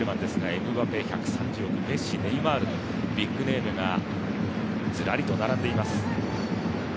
エムバペ１３０億、メッシネイマールビッグネームがずらりと並んでいます。